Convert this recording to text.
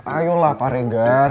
ayolah pak regar